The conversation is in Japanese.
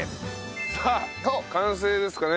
さあ完成ですかね？